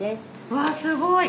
うわすごい。